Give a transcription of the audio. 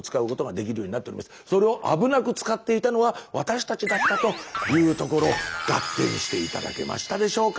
それを危なく使っていたのは私たちだったというところガッテンして頂けましたでしょうか？